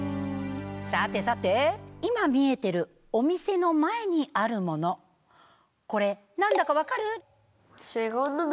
さてさて今見えてるお店の前にあるものこれ何だか分かる？